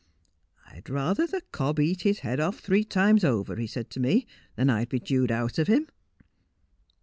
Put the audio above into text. " I'd rather the cob eat his head off three times over," he said to me, " than I'd be jewed out of him."'